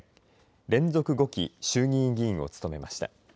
連続５期、衆議院議員を務めました。